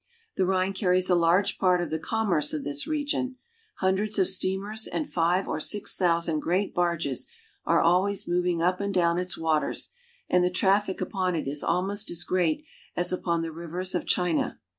The Rhine carries a large part of the commerce of this region. Hundreds of steamers and five or six thousand great barges are always moving up and down its waters, and the traffic uppn it is almost as great as upon the rivers UP THE RHINE TO SWITZERLAND. 235 of China.